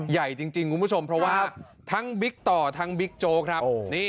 ใหญ่จริงคุณผู้ชมเพราะว่าทั้งบิ๊กต่อทั้งบิ๊กโจ๊กครับ